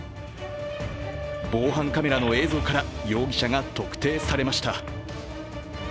防犯カメラの映像から容疑者が特定されました。